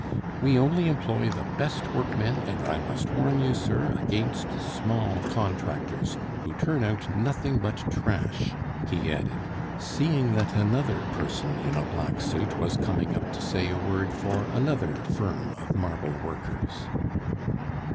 We only employ the best workmen, and I must warn you, sir, against small contractors who turn out nothing but trash," he added, seeing that another person in a black suit was coming up to say a word for another firm of marble workers.